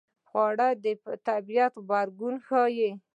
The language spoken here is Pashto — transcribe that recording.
خوړل د طبیعت غبرګون ښيي